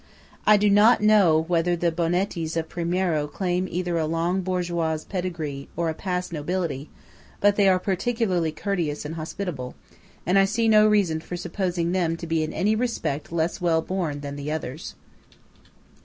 I do not know whether the Bonettis of Primiero claim either a long bourgeois pedigree or a past nobility; but they are particularly courteous and hospitable, and I see no reason for supposing them to be in any respect less well born than the others.